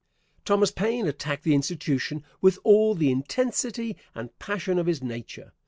Thomas Paine attacked the institution with all the intensity and passion of his nature.